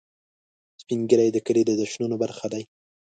سپین ږیری د کلي د جشنونو برخه دي